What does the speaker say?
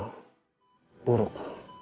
ketempat yang buruk